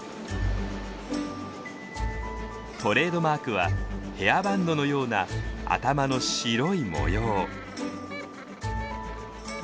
トレードマークはヘアバンドのような頭の白い模様。